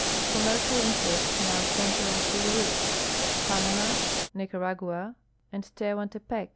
Coniinercial interests now center on three routes — Panama, Nicaragua, and Tehuantepec.